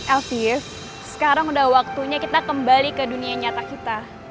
elvieve sekarang udah waktunya kita kembali ke dunia nyata kita